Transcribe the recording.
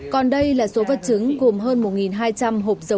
còn đây là số vật chứng gồm hơn một hai trăm linh hộp dầu